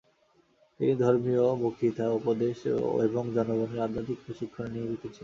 তিনি ধর্মীয় বক্তৃতা, উপদেশ এবং জনগণের আধ্যাত্মিক প্রশিক্ষণে নিয়োজিত ছিলেন।